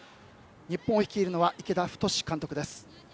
日本を率いるのは池田太監督です。